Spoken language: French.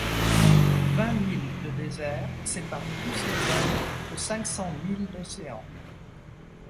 Vingt milles de désert séparent plus les hommes que cinq cent milles d’océan!